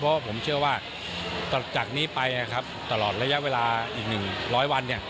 เพราะผมเชื่อว่าจากนี้ไปตลอดระยะเวลาอีก๑หล้อยวัน